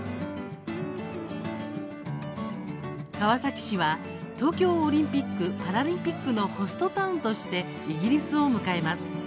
川崎市は、東京オリンピック・パラリンピックのホストタウンとしてイギリスを迎えます。